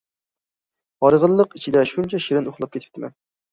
ھارغىنلىق ئىچىدە شۇنچە شېرىن ئۇخلاپ كېتىپتىمەن.